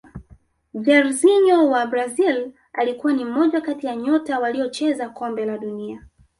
jairzinho wa brazil alikuwa ni mmoja kati ya nyota waliocheza kombe la dunia